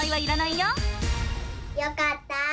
よかった！